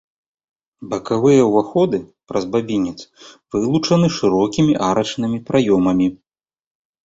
Бакавыя ўваходы праз бабінец вылучаны шырокімі арачнымі праёмамі.